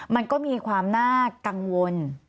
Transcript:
มันก็มีความน่ากังวล